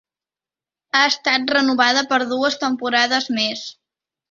Ha estat renovada per dues temporades més.